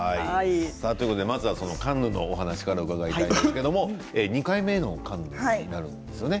カンヌのお話から伺いたいんですが２回目のカンヌになるんですよね。